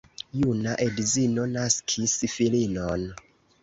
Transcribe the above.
Juna edzino naskis filinon.